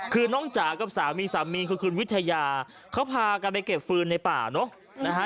คือน้องจ๋ากับสามีสามีคือคุณวิทยาเขาพากันไปเก็บฟืนในป่าเนอะนะฮะ